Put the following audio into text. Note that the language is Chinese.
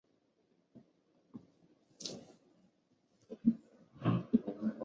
一部分党员来自于新西兰马克思主义协会和新西兰社会党。